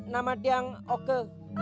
nama dia oka